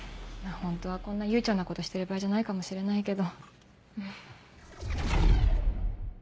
ホントはこんな悠長なことしてる場合じゃないかもしれないけど。